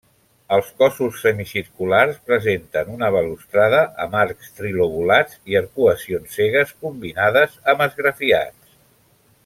Els cossos semicirculars presenten una balustrada amb arcs trilobulats i arcuacions cegues combinades amb esgrafiats.